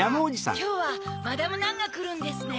きょうはマダム・ナンがくるんですね。